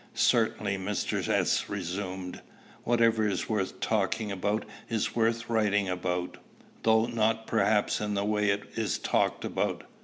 "Certainly," Mr. S. resumed, "whatever is worth talking about is worth writing about, though not perhaps in the way it is talked about.